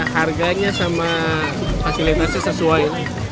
harganya sama hasilitasnya sesuai